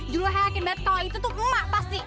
julai hayakin dari tahun itu tuh emak pasti